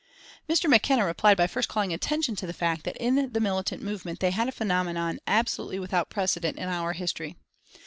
Mr. McKenna replied by first calling attention to the fact that in the militant movement they had a phenomenon "absolutely without precedent in our history."